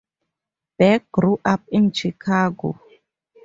Beck grew up in Chicago.